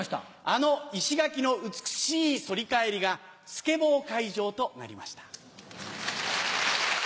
あの石垣の美しい反り返りがスケボー会場となりました。